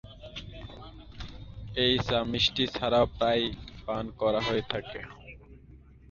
এই চা মিষ্টি ছাড়াও প্রায়ই পান করা হয়ে থাকে।